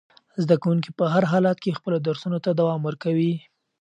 زده کوونکي په هر حالت کې خپلو درسونو ته دوام ورکوي.